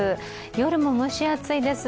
夜も蒸し暑いです